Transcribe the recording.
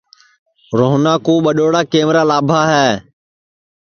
روہنا کُو ٻڈؔوڑا کمرا لابھا ہے